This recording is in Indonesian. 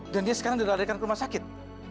dan dia sekarang diladakan ke rumah sakit